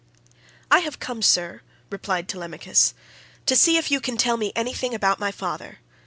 "I have come, sir," replied Telemachus, "to see if you can tell me anything about my father.